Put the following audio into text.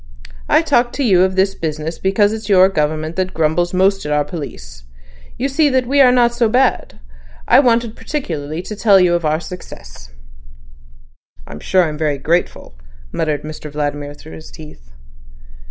I talked to you of this business because it's your government that grumbles most at our police. You see that we are not so bad. I wanted particularly to tell you of our success." "I'm sure I'm very grateful," muttered Mr Vladimir through his teeth.